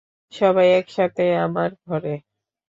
সবাই একসাথে আমার ঘরে?